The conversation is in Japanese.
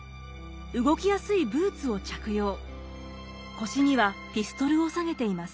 腰にはピストルを下げています。